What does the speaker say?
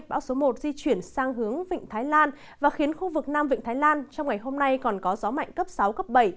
bão số một di chuyển sang hướng vịnh thái lan và khiến khu vực nam vịnh thái lan trong ngày hôm nay còn có gió mạnh cấp sáu cấp bảy